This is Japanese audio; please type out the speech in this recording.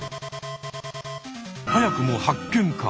早くも発見か？